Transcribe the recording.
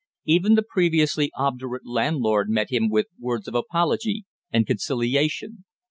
Even the previously obdurate landlord met him with words of apology and conciliation.